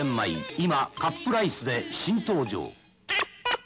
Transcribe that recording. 今カップライスで新登場。